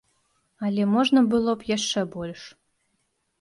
Але можна было б яшчэ больш.